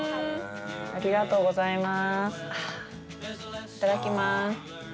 ありがとうございます！